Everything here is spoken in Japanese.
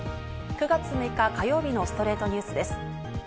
９月６日、火曜日の『ストレイトニュース』です。